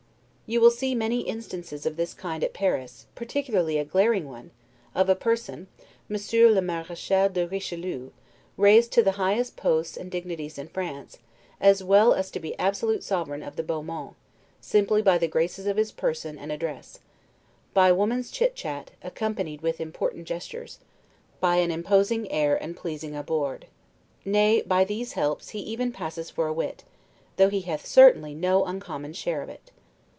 You will see many instances of this kind at Paris, particularly a glaring one, of a person [M. le Marechal de Richelieu] raised to the highest posts and dignities in France, as well as to be absolute sovereign of the 'beau monde', simply by the graces of his person and address; by woman's chit chat, accompanied with important gestures; by an imposing air and pleasing abord. Nay, by these helps, he even passes for a wit, though he hath certainly no uncommon share of it.